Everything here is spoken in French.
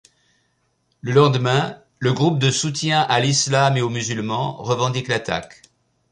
Le lendemain, le Groupe de soutien à l'islam et aux musulmans revendique l'attaque.